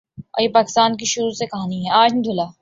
اور یہ پاکستان کی شروع سے کہانی ہے۔